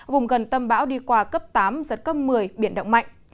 vùng gần tâm bão đi qua cấp tám giật cấp một mươi biển động mạnh